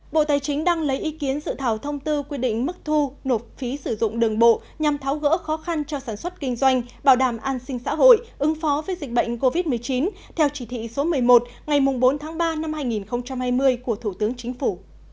bộ tài chính đang lấy ý kiến dự thảo thông tư quy định mức thu nộp phí sử dụng đường bộ nhằm tháo gỡ khó khăn cho sản xuất kinh doanh bảo đảm an sinh xã hội ứng phó với dịch bệnh covid một mươi chín theo chỉ thị số một mươi một ngày bốn tháng ba năm hai nghìn hai mươi của thủ tướng chính phủ